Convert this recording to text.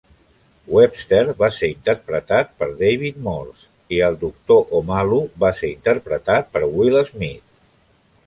Webster va ser interpretat per David Morse i el doctor Omalu va ser interpretat per Will Smith.